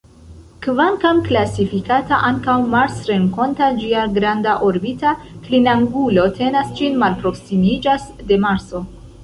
Kvankam klasifikata ankaŭ marsrenkonta, ĝia granda orbita klinangulo tenas ĝin malproksimiĝas de Marso.